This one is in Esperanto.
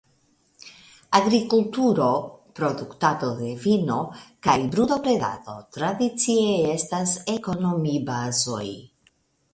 Agrikulturo (produktado de vino) kaj brutobredado tradicie estas ekonomibazoj.